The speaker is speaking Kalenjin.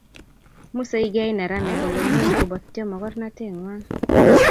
museigei neranik kole much kubotio mokornateng'wang'